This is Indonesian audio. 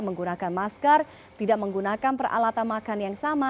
menggunakan masker tidak menggunakan peralatan makan yang sama